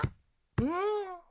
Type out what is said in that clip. うん？